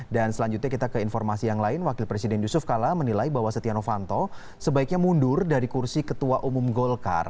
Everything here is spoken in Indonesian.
dan selanjutnya kita ke informasi yang lain wakil presiden yusuf kala menilai bahwa setia novanto sebaiknya mundur dari kursi ketua umum golkar